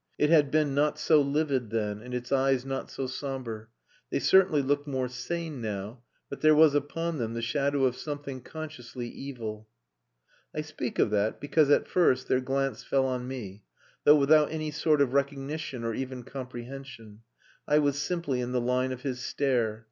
It had been not so livid then, and its eyes not so sombre. They certainly looked more sane now, but there was upon them the shadow of something consciously evil. I speak of that, because, at first, their glance fell on me, though without any sort of recognition or even comprehension. I was simply in the line of his stare.